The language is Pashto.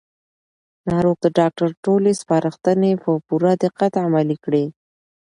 ناروغ د ډاکټر ټولې سپارښتنې په پوره دقت عملي کړې